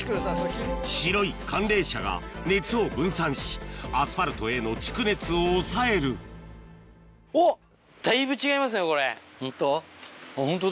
白い寒冷紗が熱を分散しアスファルトへの蓄熱を抑えるホント？